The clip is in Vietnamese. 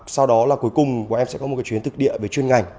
sau đó là cuối cùng của em sẽ có một cái chuyến thực địa về chuyên ngành